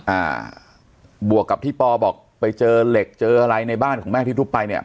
อ่าบวกกับที่ปอบอกไปเจอเหล็กเจออะไรในบ้านของแม่ที่ทุบไปเนี่ย